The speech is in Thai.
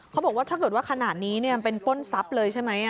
เขาบอกว่าถ้าเกิดว่าขนาดนี้เป็นป้นทรัพย์เลยใช่ไหม